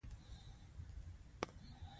د مغز ساقه له یوې خواته شوکي نخاع پورې نښتې ده.